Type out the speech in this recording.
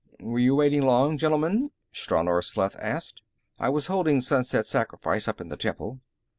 "Were you waiting long, gentlemen?" Stranor Sleth asked. "I was holding Sunset Sacrifice up in the temple."